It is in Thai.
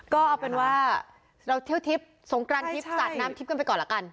ก็เอาเป็นว่าเราเที่ยวทิพย์สงกรานทิพย์สาดน้ำทิพย์กันไปก่อนละกัน